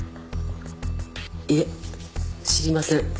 いいえ知りません